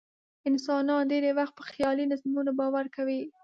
انسانان ډېری وخت په خیالي نظمونو باور کوي.